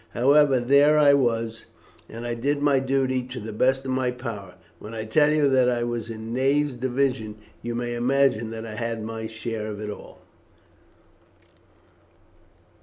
However, there I was, and I did my duty to the best of my power. When I tell you that I was in Ney's division, you may imagine that I had my share of it all."